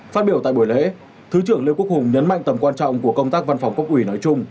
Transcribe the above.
phát biểu tại buổi lễ thứ trưởng lê quốc hùng nhấn mạnh tầm quan trọng của công tác văn phòng quốc ủy nói chung